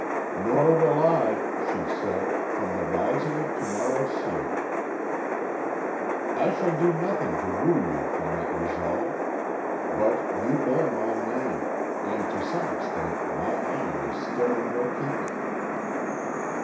"'Nor will I,' she said, 'from the rising of to morrow's sun.' "'I shall do nothing to woo you from that resolve. But you bear my name, and to some extent my honour is still in your keeping.'